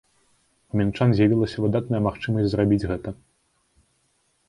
У мінчан з'явілася выдатная магчымасць зрабіць гэта!